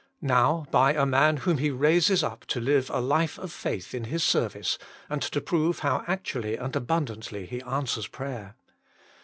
Now by a man whom He raises up to live a life of faith in His service, and to prove how actually and abundantly He answers prayer.